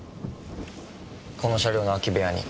この車両の空き部屋に。